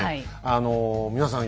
あの皆さん